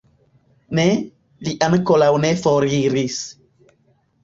Ne, li ankoraŭ ne foriris.